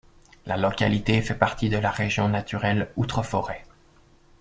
La localité fait partie de la région naturelle Outre-Forêt.